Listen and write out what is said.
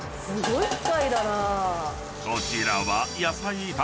すごい！